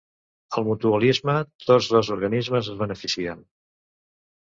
Al mutualisme, tots dos organismes es beneficien.